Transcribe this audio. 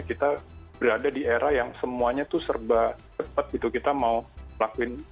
kita berada di era yang semuanya tuh serba cepat gitu kita mau lakuin